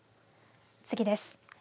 次です。